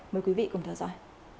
mời quý vị cùng theo dõi